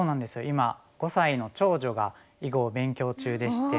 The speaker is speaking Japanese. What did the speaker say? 今５歳の長女が囲碁を勉強中でして。